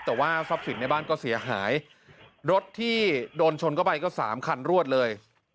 แต่ว่าทรัพย์สินในบ้านก็เสียหายรถที่โดนชนเข้าไปก็สามคันรวดเลย